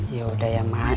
yaudah ya mak